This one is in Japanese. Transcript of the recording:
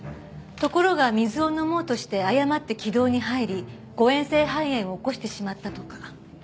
ところが水を飲もうとして誤って気道に入り誤嚥性肺炎を起こしてしまったとか。